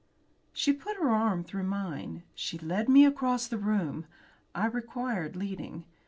She put her arm through mine. She led me across the room. I required leading.